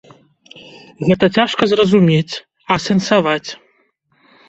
Гэта цяжка зразумець, асэнсаваць.